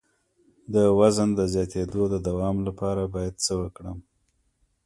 د وزن د زیاتیدو د دوام لپاره باید څه وکړم؟